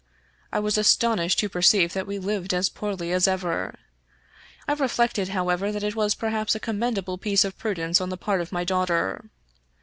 I was astonished to perceive that we lived as poorly as ever. I reflected, how ever, that it was perhaps a commendable piece of prudence on the part of my daughter.